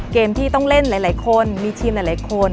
เกมที่ต้องเล่นหลายคนมีทีมหลายคน